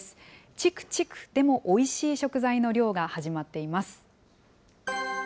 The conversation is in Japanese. ちくちくでもおいしい食材の漁が始まっています。